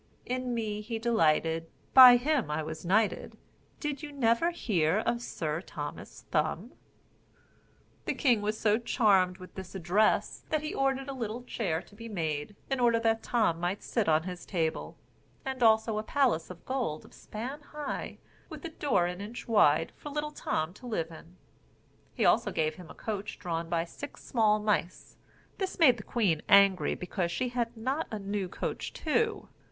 In me he delighted, By him I was knighted, Did you never hear of Sir Thomas Thumb?" The king was so charmed with this address, that he ordered a little chair to be made, in order that Tom might sit on his table, and also a palace of gold a span high, with a door an inch wide, for little Tom to live in. He also gave him a coach drawn by six small mice. This made the queen angry, because she had not a new coach too.